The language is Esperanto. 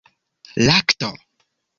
lakto